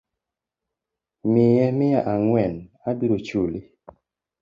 Miye mia angwen abiro chuli